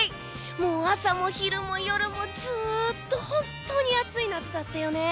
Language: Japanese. もう朝も昼も夜もずっと本当に暑い夏だったよね。